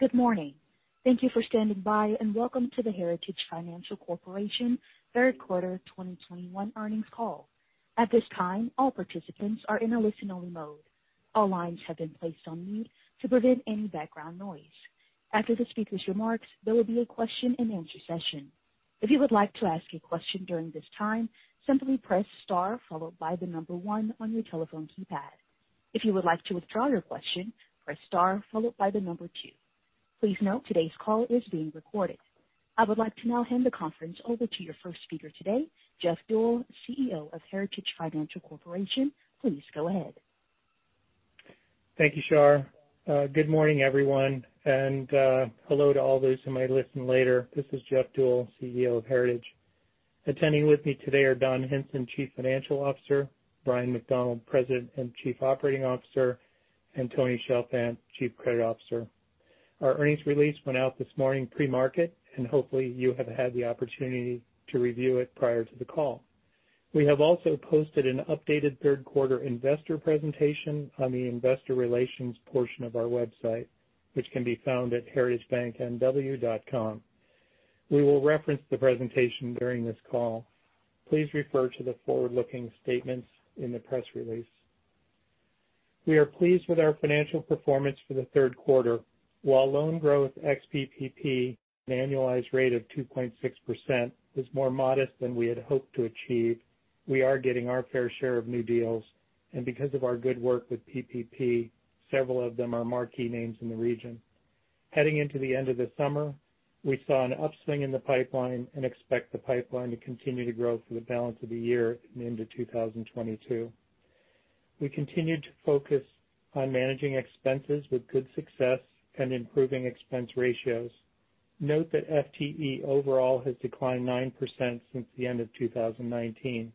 Good morning. Thank you for standing by. Welcome to the Heritage Financial Corporation Q3 2021 Earnings Call. At this time, all participants are in a listen-only mode. All lines have been placed on mute to prevent any background noise. After the speakers' remarks, there will be a question-and-answer session. If you would like to ask a question during this time, simply press star followed by the number one on your telephone keypad. If you would like to withdraw your question, press star followed by the number two. Please note today's call is being recorded. I would like to now hand the conference over to your first speaker today, Jeff Deuel, CEO of Heritage Financial Corporation. Please go ahead. Thank you, Char. Good morning, everyone, and hello to all those who might listen later. This is Jeff Deuel, CEO of Heritage. Attending with me today are Don Hinson, Chief Financial Officer, Bryan McDonald, President and Chief Operating Officer, and Tony Chalfant, Chief Credit Officer. Our earnings release went out this morning pre-market, and hopefully you have had the opportunity to review it prior to the call. We have also posted an updated Q3 investor presentation on the investor relations portion of our website, which can be found at heritagebanknw.com. We will reference the presentation during this call. Please refer to the forward-looking statements in the press release. We are pleased with our financial performance for the Q3. While loan growth ex-PPP, an annualized rate of 2.6%, is more modest than we had hoped to achieve, we are getting our fair share of new deals. Because of our good work with PPP, several of them are marquee names in the region. Heading into the end of the summer, we saw an upswing in the pipeline and expect the pipeline to continue to grow for the balance of the year into 2022. We continued to focus on managing expenses with good success and improving expense ratios. Note that FTE overall has declined 9% since the end of 2019.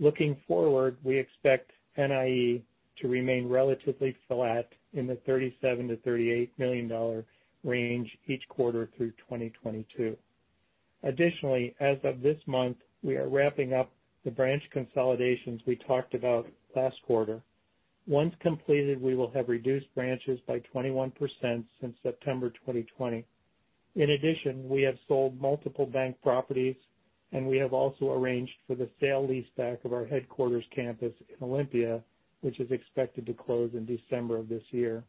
Looking forward, we expect NIE to remain relatively flat in the $37 million-$38 million range each quarter through 2022. As of this month, we are wrapping up the branch consolidations we talked about last quarter. Once completed, we will have reduced branches by 21% since September 2020. In addition, we have sold multiple bank properties, and we have also arranged for the sale leaseback of our headquarters campus in Olympia, which is expected to close in December of this year.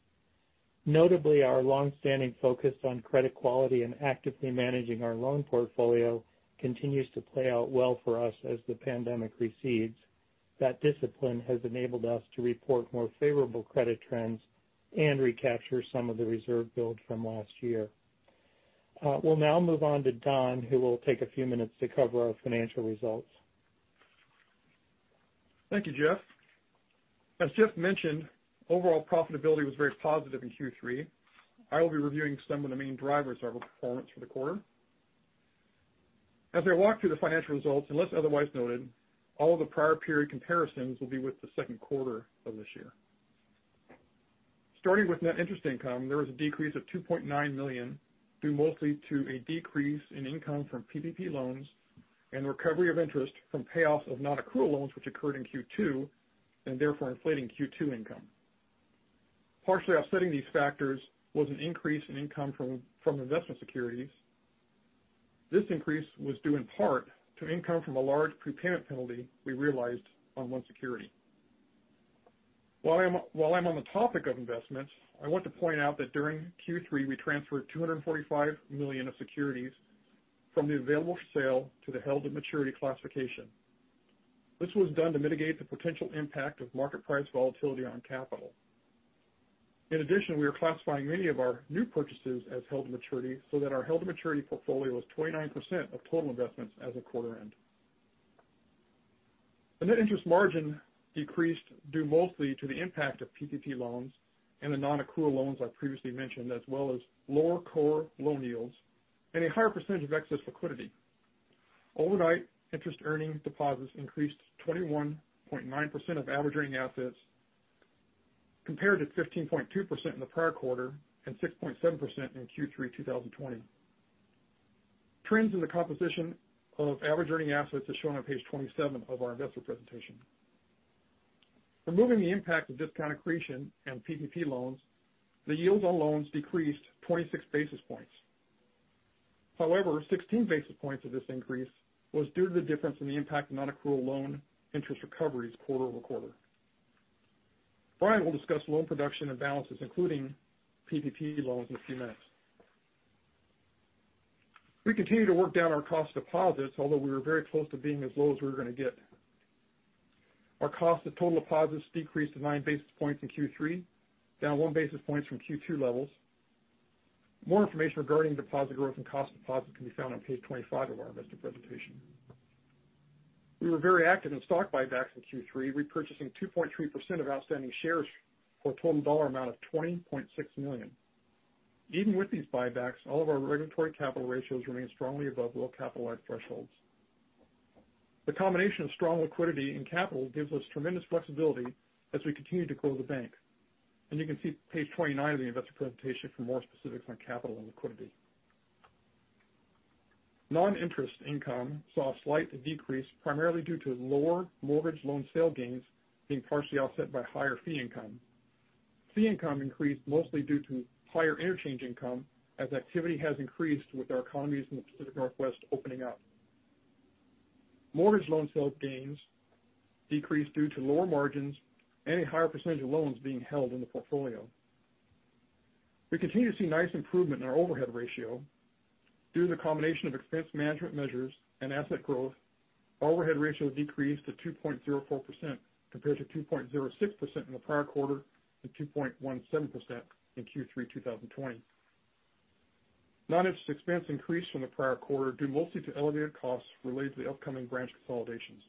Notably, our longstanding focus on credit quality and actively managing our loan portfolio continues to play out well for us as the pandemic recedes. That discipline has enabled us to report more favorable credit trends and recapture some of the reserve build from last year. We'll now move on to Don, who will take a few minutes to cover our financial results. Thank you, Jeff. As Jeff mentioned, overall profitability was very positive in Q3. I will be reviewing some of the main drivers of our performance for the quarter. As I walk through the financial results, unless otherwise noted, all the prior period comparisons will be with the Q2 of this year. Starting with net interest income, there was a decrease of $2.9 million, due mostly to a decrease in income from PPP loans and recovery of interest from payoffs of non-accrual loans which occurred in Q2, and therefore inflating Q2 income. Partially offsetting these factors was an increase in income from investment securities. This increase was due in part to income from a large prepayment penalty we realized on one security. While I'm on the topic of investments, I want to point out that during Q3, we transferred $245 million of securities from the available for sale to the held to maturity classification. This was done to mitigate the potential impact of market price volatility on capital. In addition, we are classifying many of our new purchases as held to maturity so that our held to maturity portfolio is 29% of total investments as of quarter end. The net interest margin decreased due mostly to the impact of PPP loans and the non-accrual loans I previously mentioned, as well as lower core loan yields and a higher percentage of excess liquidity. Overnight interest earning deposits increased 21.9% of average earning assets compared to 15.2% in the prior quarter and 6.7% in Q3 2020. Trends in the composition of average earning assets is shown on page 27 of our investor presentation. Removing the impact of discount accretion and PPP loans, the yields on loans decreased 26 basis points. 16 basis points of this increase was due to the difference in the impact of non-accrual loan interest recoveries quarter-over-quarter. Bryan will discuss loan production and balances, including PPP loans, in a few minutes. We continue to work down our cost deposits, although we were very close to being as low as we were going to get. Our cost of total deposits decreased to nine basis points in Q3, down one basis point from Q2 levels. More information regarding deposit growth and cost of deposits can be found on page 25 of our investor presentation. We were very active in stock buybacks in Q3, repurchasing 2.3% of outstanding shares for a total dollar amount of $20.6 million. Even with these buybacks, all of our regulatory capital ratios remain strongly above well-capitalized thresholds. The combination of strong liquidity and capital gives us tremendous flexibility as we continue to grow the bank. You can see page 29 of the investor presentation for more specifics on capital and liquidity. Non-interest income saw a slight decrease, primarily due to lower mortgage loan sale gains being partially offset by higher fee income. Fee income increased mostly due to higher interchange income, as activity has increased with our economies in the Pacific Northwest opening up. Mortgage loan sale gains decreased due to lower margins and a higher percentage of loans being held in the portfolio. We continue to see nice improvement in our overhead ratio. Due to the combination of expense management measures and asset growth, overhead ratio decreased to 2.04%, compared to 2.06% in the prior quarter and 2.17% in Q3 2020. Non-interest expense increased from the prior quarter due mostly to elevated costs related to the upcoming branch consolidations.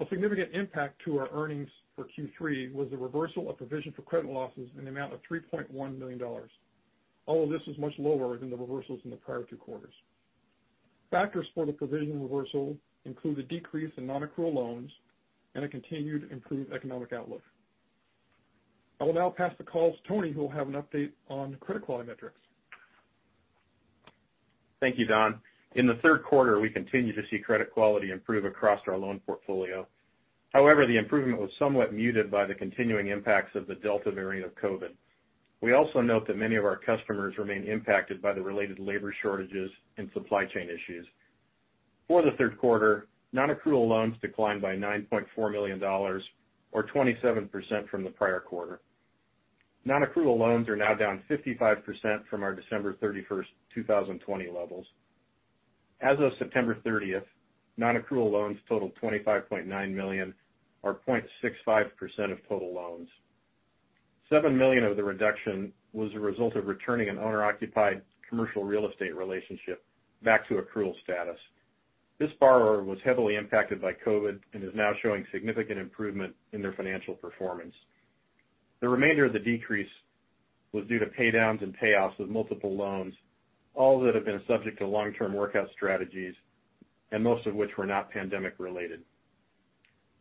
A significant impact to our earnings for Q3 was the reversal of provision for credit losses in the amount of $3.1 million. All of this was much lower than the reversals in the prior two quarters. Factors for the provision reversal include a decrease in non-accrual loans and a continued improved economic outlook. I will now pass the call to Tony, who will have an update on credit quality metrics. Thank you, Don. In the Q3, we continued to see credit quality improve across our loan portfolio. However, the improvement was somewhat muted by the continuing impacts of the Delta variant of COVID. We also note that many of our customers remain impacted by the related labor shortages and supply chain issues. For the Q3, non-accrual loans declined by $9.4 million, or 27% from the prior quarter. Non-accrual loans are now down 55% from our December 31st, 2020 levels. As of September 30th, non-accrual loans totaled $25.9 million, or 0.65% of total loans. $7 million of the reduction was a result of returning an owner-occupied commercial real estate relationship back to accrual status. This borrower was heavily impacted by COVID and is now showing significant improvement in their financial performance. The remainder of the decrease was due to paydowns and payoffs of multiple loans, all that have been subject to long-term workout strategies, and most of which were not pandemic-related.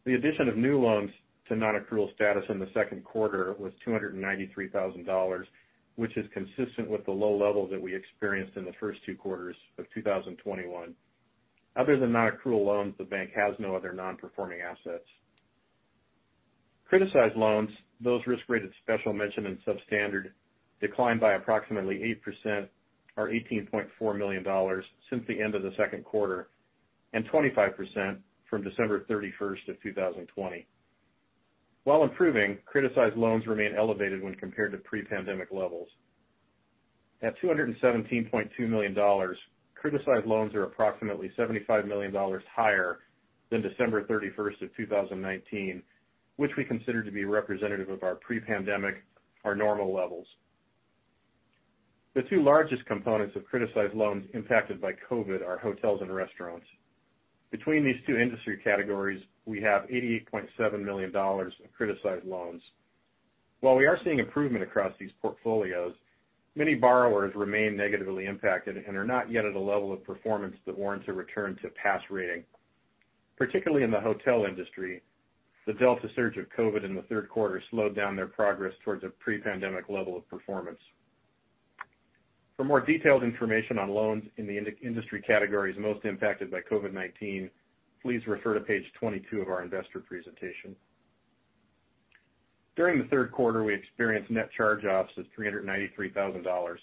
The addition of new loans to non-accrual status in the Q2 was $293,000, which is consistent with the low levels that we experienced in the first two quarters of 2021. Other than non-accrual loans, the bank has no other non-performing assets. Criticized loans, those risk-rated special mention and substandard, declined by approximately 8%, or $18.4 million since the end of the Q2, and 25% from December 31st of 2020. While improving, criticized loans remain elevated when compared to pre-pandemic levels. At $217.2 million, criticized loans are approximately $75 million higher than December 31st of 2019, which we consider to be representative of our pre-pandemic, or normal levels. The two largest components of criticized loans impacted by COVID are hotels and restaurants. Between these two industry categories, we have $88.7 million of criticized loans. While we are seeing improvement across these portfolios, many borrowers remain negatively impacted and are not yet at a level of performance that warrants a return to pass rating. Particularly in the hotel industry, the Delta surge of COVID in the Q3 slowed down their progress towards a pre-pandemic level of performance. For more detailed information on loans in the industry categories most impacted by COVID-19, please refer to page 22 of our investor presentation. During the Q3, we experienced net charge-offs of $393,000.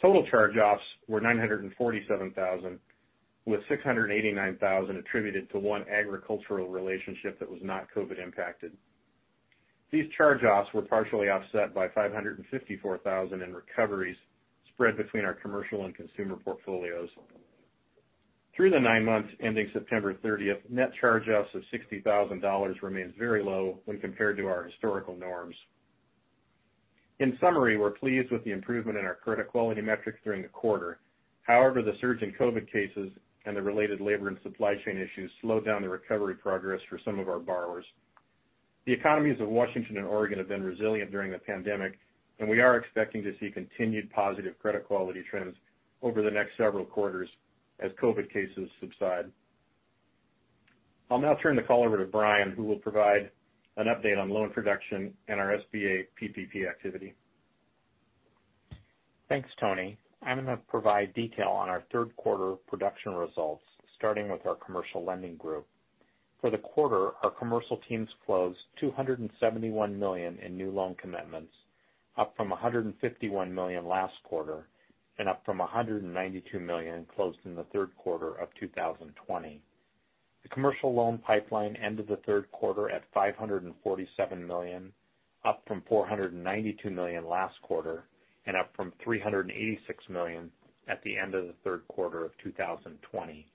Total charge-offs were $947,000, with $689,000 attributed to one agricultural relationship that was not COVID impacted. These charge-offs were partially offset by $554,000 in recoveries spread between our commercial and consumer portfolios. Through the nine months ending September 30th, net charge-offs of $60,000 remains very low when compared to our historical norms. In summary, we're pleased with the improvement in our credit quality metrics during the quarter. However, the surge in COVID cases and the related labor and supply chain issues slowed down the recovery progress for some of our borrowers. The economies of Washington and Oregon have been resilient during the pandemic, and we are expecting to see continued positive credit quality trends over the next several quarters as COVID cases subside. I'll now turn the call over to Bryan, who will provide an update on loan production and our SBA PPP activity. Thanks, Tony. I'm going to provide detail on our Q3 production results, starting with our commercial lending group. For the quarter, our commercial teams closed $271 million in new loan commitments, up from $151 million last quarter, and up from $192 million closed in the Q3 of 2020. The commercial loan pipeline ended the Q3 at $547 million, up from $492 million last quarter, and up from $386 million at the end of the Q3 of 2020.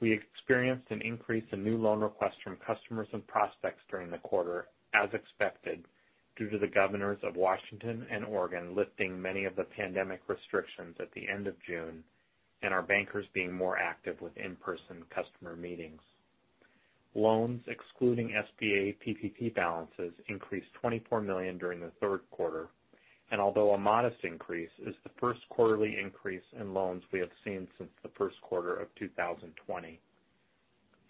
We experienced an increase in new loan requests from customers and prospects during the quarter as expected, due to the governors of Washington and Oregon lifting many of the pandemic restrictions at the end of June and our bankers being more active with in-person customer meetings. Loans excluding SBA PPP balances increased $24 million during the Q3, and although a modest increase, is the first quarterly increase in loans we have seen since the Q1 of 2020.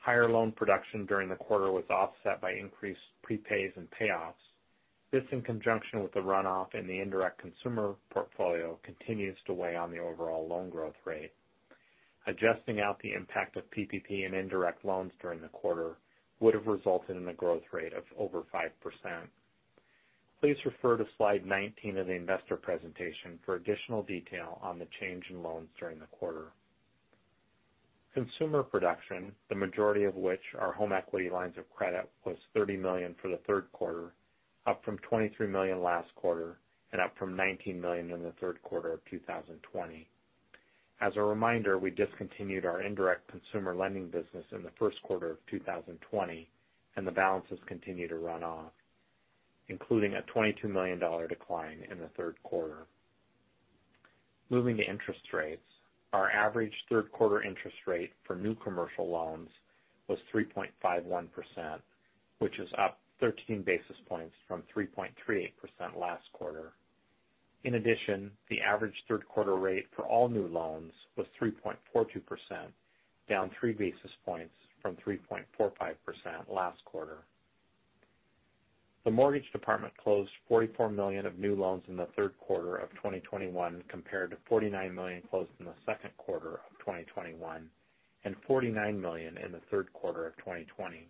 Higher loan production during the quarter was offset by increased prepays and payoffs. This, in conjunction with the runoff in the indirect consumer portfolio, continues to weigh on the overall loan growth rate. Adjusting out the impact of PPP and indirect loans during the quarter would have resulted in a growth rate of over 5%. Please refer to slide 19 of the investor presentation for additional detail on the change in loans during the quarter. Consumer production, the majority of which are home equity lines of credit, was $30 million for the Q3, up from $23 million last quarter and up from $19 million in the Q3 of 2020. As a reminder, we discontinued our indirect consumer lending business in the Q1 of 2020, and the balances continue to run off, including a $22 million decline in the Q3. Moving to interest rates. Our average Q3 interest rate for new commercial loans was 3.51%, which is up 13 basis points from 3.38% last quarter. In addition, the average Q3 rate for all new loans was 3.42%, down three basis points from 3.45% last quarter. The mortgage department closed $44 million of new loans in the Q3 of 2021 compared to $49 million closed in the Q2 of 2021 and $49 million in the Q3 of 2020.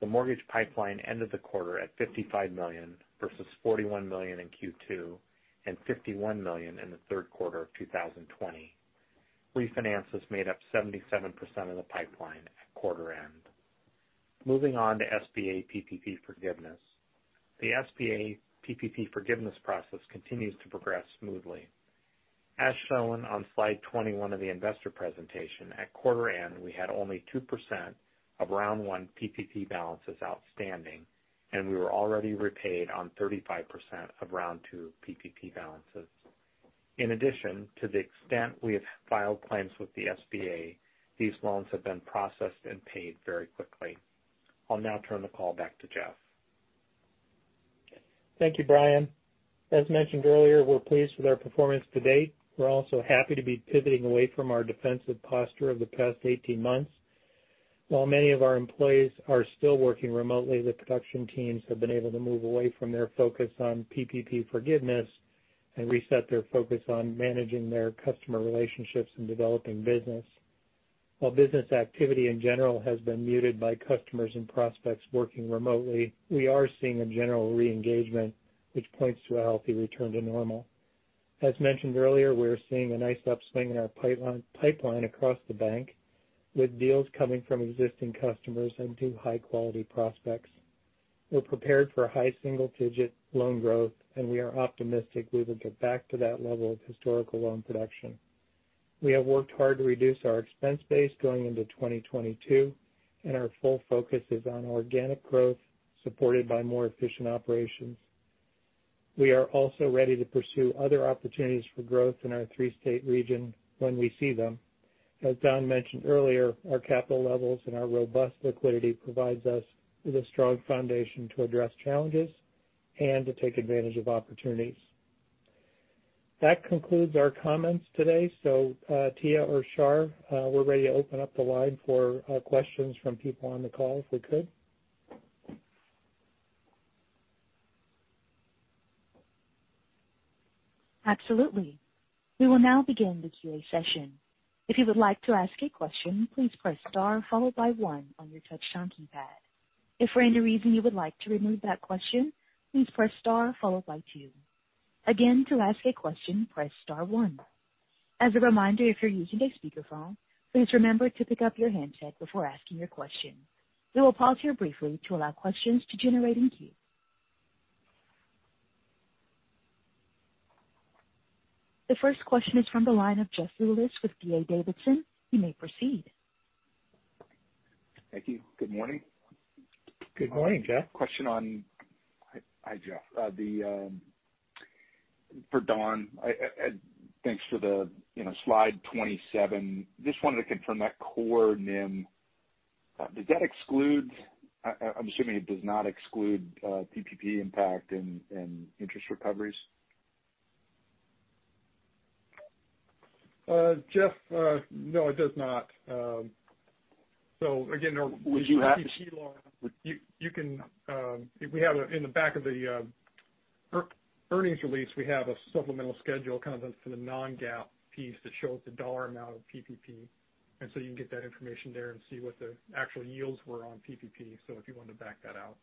The mortgage pipeline ended the quarter at $55 million versus $41 million in Q2 and $51 million in the Q3 of 2020. Refinances made up 77% of the pipeline at quarter end. Moving on to SBA PPP forgiveness. The SBA PPP forgiveness process continues to progress smoothly. As shown on slide 21 of the investor presentation, at quarter end, we had only 2% of round one PPP balances outstanding, and we were already repaid on 35% of round two PPP balances. In addition, to the extent we have filed claims with the SBA, these loans have been processed and paid very quickly. I'll now turn the call back to Jeff. Thank you, Bryan. As mentioned earlier, we're pleased with our performance to date. We're also happy to be pivoting away from our defensive posture of the past 18 months. While many of our employees are still working remotely, the production teams have been able to move away from their focus on PPP forgiveness and reset their focus on managing their customer relationships and developing business. While business activity in general has been muted by customers and prospects working remotely, we are seeing a general re-engagement, which points to a healthy return to normal. As mentioned earlier, we're seeing a nice upswing in our pipeline across the bank, with deals coming from existing customers and two high-quality prospects. We're prepared for high single-digit loan growth, and we are optimistic we will get back to that level of historical loan production. We have worked hard to reduce our expense base going into 2022, and our full focus is on organic growth supported by more efficient operations. We are also ready to pursue other opportunities for growth in our three-state region when we see them. As Don mentioned earlier, our capital levels and our robust liquidity provides us with a strong foundation to address challenges and to take advantage of opportunities. That concludes our comments today. Tia or Char, we're ready to open up the line for questions from people on the call if we could. Absolutely. We will now begin the Q&A session. If you would like to ask a question, please press star followed by one on your touchtone keypad. If for any reason you would like to remove that question, please press star followed by two. Again, to ask a question, press star one. As a reminder, if you're using a speakerphone, please remember to pick up your handset before asking your question. We will pause here briefly to allow questions to generate in queue. The first question is from the line of Jeff Rulis with D.A. Davidson. You may proceed. Thank you. Good morning. Good morning, Jeff. Question on-Hi, Jeff-for Don, thanks for the slide 27. Just wanted to confirm that core NIM. I'm assuming it does not exclude PPP impact and interest recoveries? Jeff, no, it does not. Would you happen to? In the back of the earnings release, we have a supplemental schedule, kind of for the non-GAAP piece that shows the dollar amount of PPP. You can get that information there and see what the actual yields were on PPP. If you want to back that out.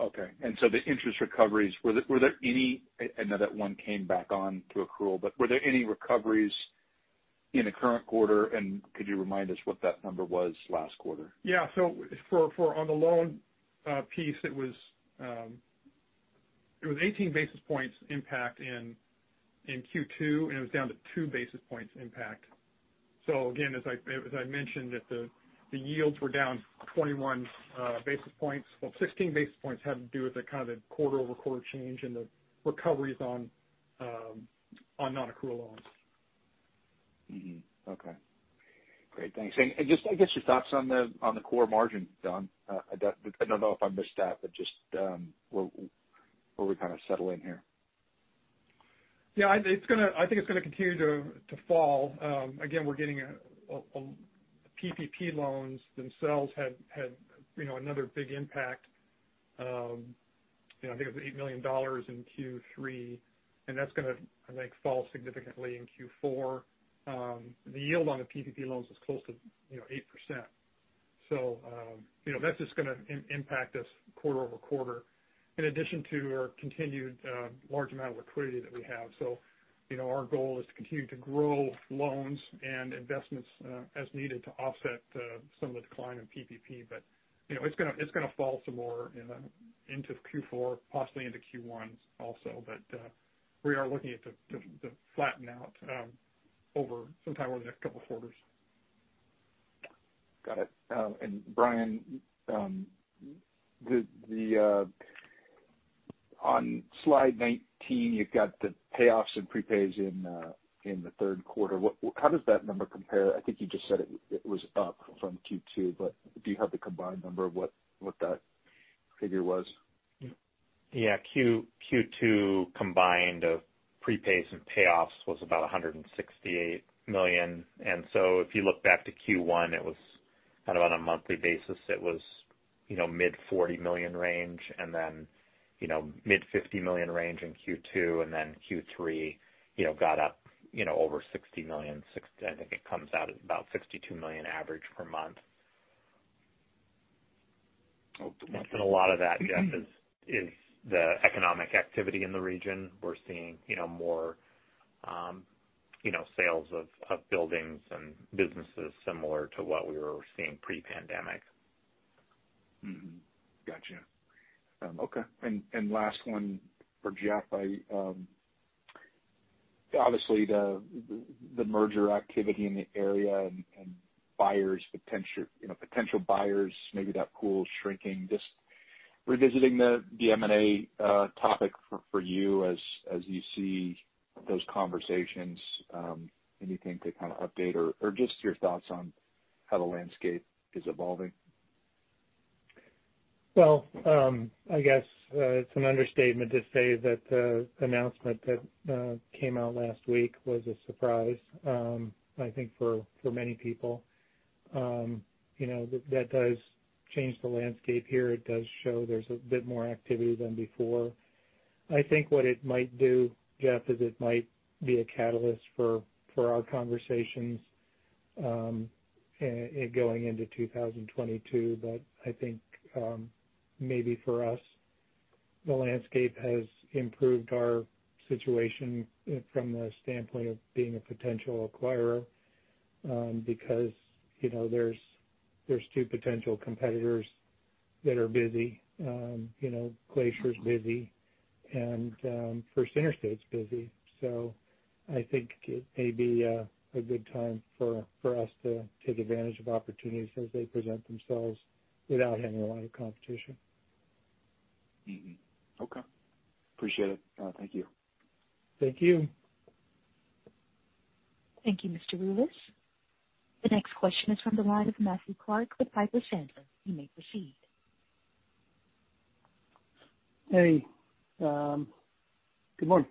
Okay. The interest recoveries, I know that one came back on to accrual, were there any recoveries in the current quarter? Could you remind us what that number was last quarter? On the loan piece, it was 18 basis points impact in Q2, and it was down to 2 basis points impact. Again, as I mentioned, that the yields were down 21 basis points. 16 basis points had to do with the kind of quarter-over-quarter change and the recoveries on non-accrual loans. Okay. Great. Thanks. Just to get your thoughts on the core margin, Don. I don't know if I missed that, but just where are we kind of settling here? Yeah, I think it's going to continue to fall. Again, we're getting PPP loans themselves had another big impact. I think it was $8 million in Q3. That's going to fall significantly in Q4. The yield on the PPP loans was close to 8%. That's just going to impact us quarter-over-quarter in addition to our continued large amount of liquidity that we have. Our goal is to continue to grow loans and investments as needed to offset some of the decline in PPP. It's going to fall some more into Q4, possibly into Q1 also. We are looking at the flatten out over sometime over the next couple of quarters. Got it. Bryan, on slide 19, you've got the payoffs and prepays in the Q3. How does that number compare? I think you just said it was up from Q2, but do you have the combined number of what that figure was? Yeah. Q2 combined prepays and payoffs was about $168 million. If you look back to Q1, it was kind of on a monthly basis, it was mid $40 million range and then mid $50 million range in Q2 and then Q3 got up over $60 million. I think it comes out at about $62 million average per month. Okay. A lot of that, Jeff, is the economic activity in the region. We're seeing more sales of buildings and businesses similar to what we were seeing pre-pandemic. Got you. Okay. Last one for Jeff. Obviously the merger activity in the area and potential buyers, maybe that pool is shrinking. Just revisiting the M&A topic for you as you see those conversations, anything to kind of update or just your thoughts on how the landscape is evolving? I guess it's an understatement to say that the announcement that came out last week was a surprise, I think for many people. That does change the landscape here. It does show there's a bit more activity than before. I think what it might do, Jeff, is it might be a catalyst for our conversations going into 2022. I think maybe for us, the landscape has improved our situation from the standpoint of being a potential acquirer because there's two potential competitors that are busy. Glacier's busy and First Interstate's busy. I think it may be a good time for us to take advantage of opportunities as they present themselves without having a lot of competition. Mm-hmm. Okay. Appreciate it. Thank you. Thank you. Thank you, Mr. Rulis. The next question is from the line of Matthew Clark with Piper Sandler. You may proceed. Hey, good morning.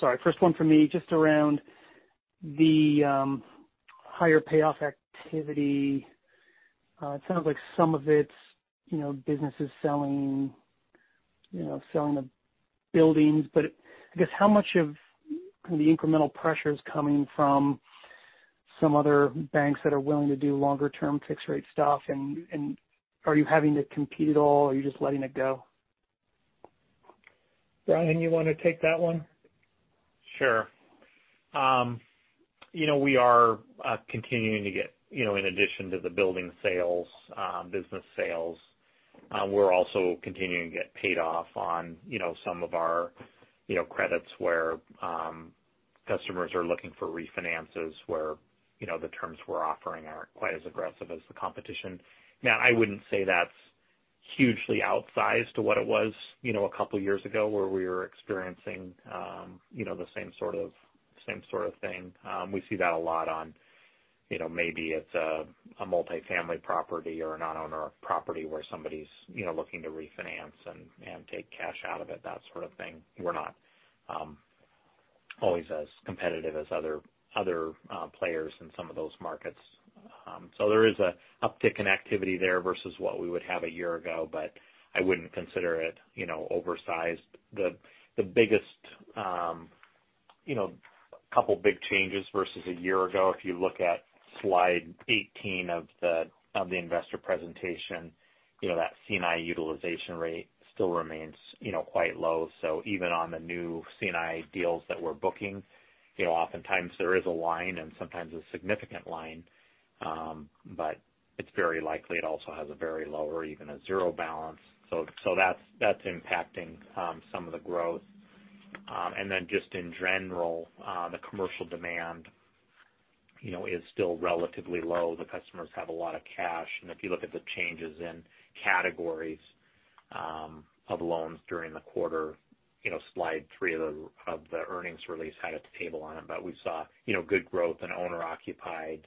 Sorry, first one for me, just around the higher payoff activity. It sounds like some of it's businesses selling the buildings, but I guess how much of the incremental pressure is coming from some other banks that are willing to do longer term fixed rate stuff, and are you having to compete at all? Are you just letting it go? Bryan, you want to take that one? Sure. We are continuing to get in addition to the building sales, business sales, we're also continuing to get paid off on some of our credits where customers are looking for refinances where the terms we're offering aren't quite as aggressive as the competition. Matt, I wouldn't say that's hugely outsized to what it was a couple of years ago where we were experiencing the same sort of thing. We see that a lot on maybe it's a multifamily property or a non-owner property where somebody's looking to refinance and take cash out of it, that sort of thing. We're not always as competitive as other players in some of those markets. There is an uptick in activity there versus what we would have a year ago, but I wouldn't consider it oversized. The biggest couple of big changes versus a year ago, if you look at slide 18 of the investor presentation, that C&I utilization rate still remains quite low. Even on the new C&I deals that we're booking, oftentimes there is a line and sometimes a significant line, but it's very likely it also has a very low or even a zero balance. Then just in general, the commercial demand is still relatively low. The customers have a lot of cash. If you look at the changes in categories of loans during the quarter. Slide three of the earnings release had its table on it. We saw good growth in owner-occupied.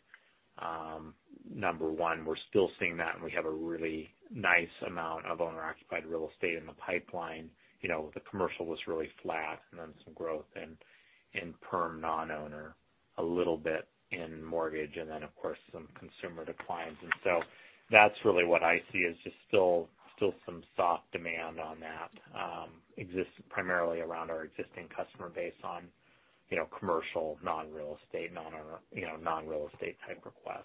Number one, we're still seeing that, and we have a really nice amount of owner-occupied real estate in the pipeline. The commercial was really flat and then some growth in perm non-owner, a little bit in mortgage, and then of course, some consumer declines. That's really what I see is just still some soft demand on that. Exists primarily around our existing customer base on commercial, non-real estate, non-owner, non-real estate type requests.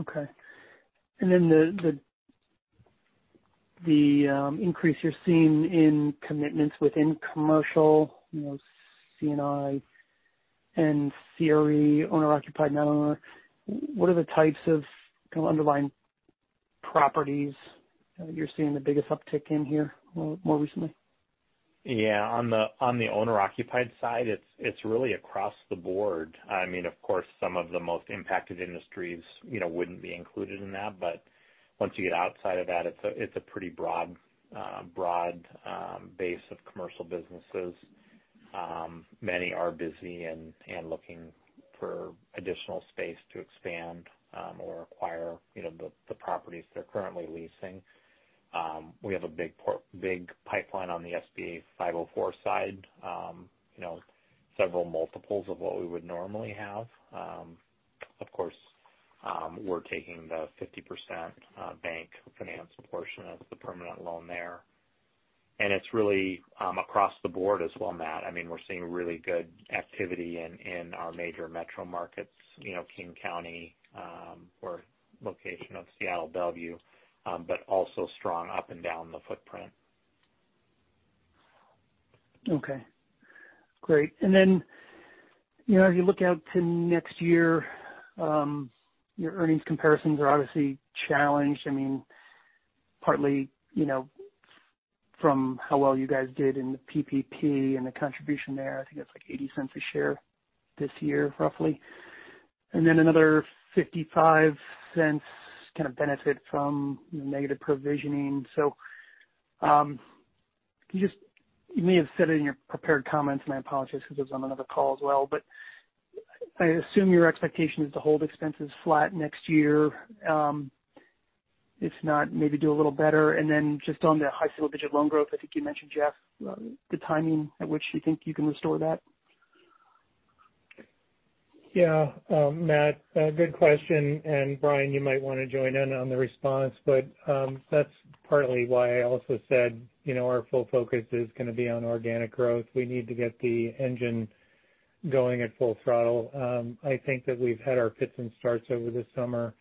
Okay. The increase you're seeing in commitments within commercial, C&I and CRE, owner occupied, non-owner, what are the types of kind of underlying properties you're seeing the biggest uptick in here more recently? Yeah. On the owner-occupied side, it's really across the board. Of course, some of the most impacted industries wouldn't be included in that, but once you get outside of that, it's a pretty broad base of commercial businesses. Many are busy and looking for additional space to expand or acquire the properties they're currently leasing. We have a big pipeline on the SBA 504 side. Several multiples of what we would normally have. Of course, we're taking the 50% bank-financed portion of the permanent loan there. It's really across the board as well, Matt. We're seeing really good activity in our major metro markets, King County or location of Seattle, Bellevue, but also strong up and down the footprint. Okay. Great. As you look out to next year, your earnings comparisons are obviously challenged. Partly from how well you guys did in the PPP and the contribution there. I think that's like $0.80 a share this year, roughly. Another $0.55 kind of benefit from negative provisioning. You may have said it in your prepared comments, I apologize because I was on another call as well, I assume your expectation is to hold expenses flat next year. If not, maybe do a little better. Just on the high single-digit loan growth, I think you mentioned Jeff, the timing at which you think you can restore that. Yeah, Matt. Good question. Bryan McDonald, you might want to join in on the response, but that's partly why I also said our full focus is going to be on organic growth. We need to get the engine going at full throttle. I think that we've had our fits and starts over the summer.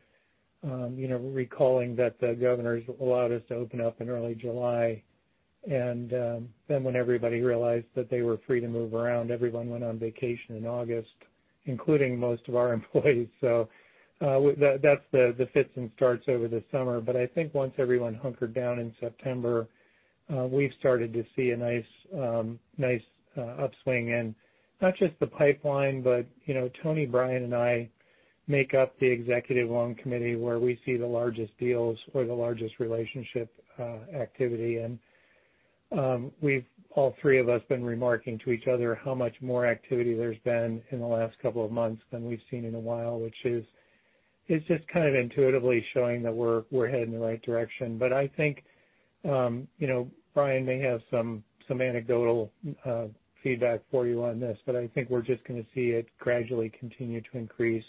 Recalling that the governors allowed us to open up in early July, when everybody realized that they were free to move around, everyone went on vacation in August, including most of our employees. That's the fits and starts over the summer. I think once everyone hunkered down in September, we've started to see a nice upswing in not just the pipeline, but Tony Chalfant, Bryan McDonald, and I make up the executive loan committee where we see the largest deals or the largest relationship activity. We've all three of us been remarking to each other how much more activity there's been in the last couple of months than we've seen in a while, which is just kind of intuitively showing that we're heading in the right direction. I think Bryan may have some anecdotal feedback for you on this, but I think we're just going to see it gradually continue to increase.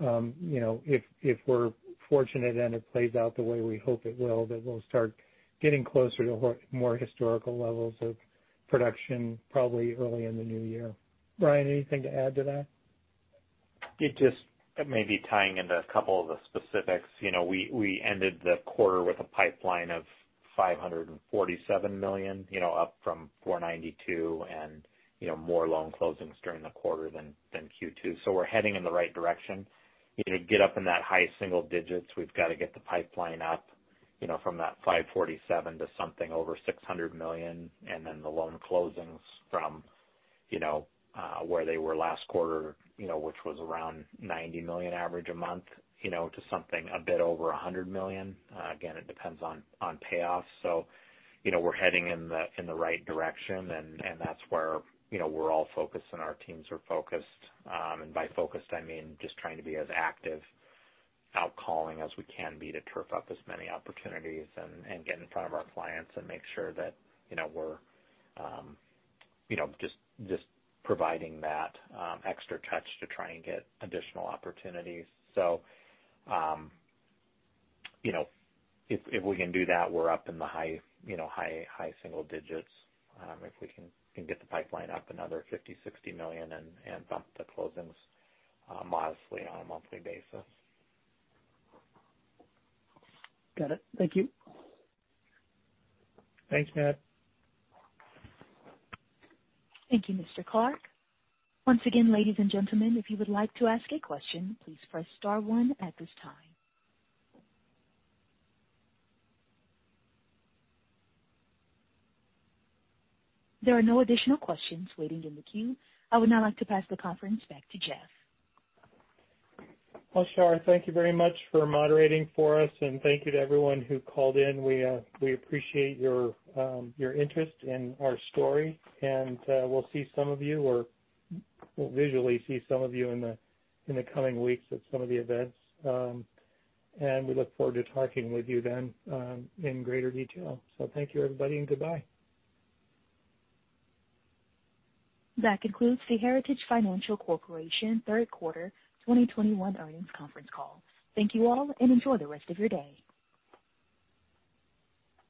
If we're fortunate and it plays out the way we hope it will, that we'll start getting closer to more historical levels of production probably early in the new year. Bryan, anything to add to that? Just maybe tying into a couple of the specifics. We ended the quarter with a pipeline of $547 million up from $492 million and more loan closings during the quarter than Q2. We're heading in the right direction. To get up in that high single digits, we've got to get the pipeline up from that $547 million to something over $600 million. The loan closings from where they were last quarter which was around $90 million average a month, to something a bit over $100 million. Again, it depends on payoffs. We're heading in the right direction, and that's where we're all focused, and our teams are focused. By focused, I mean just trying to be as active out calling as we can be to turf up as many opportunities and get in front of our clients and make sure that we're just providing that extra touch to try and get additional opportunities. If we can do that, we're up in the high single digits. If we can get the pipeline up another $50 million, $60 million and bump the closings modestly on a monthly basis. Got it. Thank you. Thanks, Matt. Thank you, Mr. Clark. Once again, ladies and gentlemen, if you would like to ask a question, please press star one at this time. There are no additional questions waiting in the queue. I would now like to pass the conference back to Jeff. Well, Char, thank you very much for moderating for us, and thank you to everyone who called in. We appreciate your interest in our story, and we'll see some of you, or visually see some of you in the coming weeks at some of the events. We look forward to talking with you then in greater detail. Thank you, everybody, and goodbye. That concludes the Heritage Financial Corporation Q3 2021 Earnings Conference Call. Thank you all, and enjoy the rest of your day.